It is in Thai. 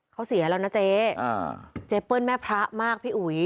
เขาเสียแล้วนะเจ๊เจ๊เปิ้ลแม่พระมากพี่อุ๋ย